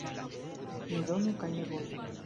Ne donu kaj ne boju.